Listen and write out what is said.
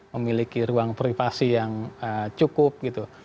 memiliki ruang privasi yang cukup gitu